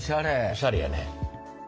おしゃれやね。